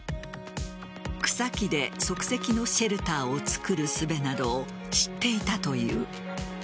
草木で即席のシェルターを作る術などを知っていたという。